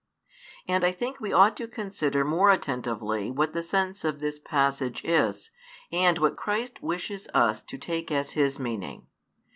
And I think we ought to consider more attentively what the sense of this passage is, and what Christ wishes us to take as His meaning.